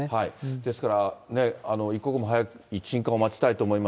ですから一刻も早く鎮火を待ちたいと思います。